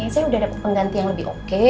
saya udah dapat pengganti yang lebih oke